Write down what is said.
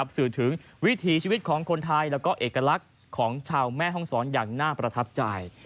สื่อถึงวิถีชีวิตของคนไทยแล้วก็เอกลักษณ์ของชาวแม่ห้องศรอย่างน่าประทับใจ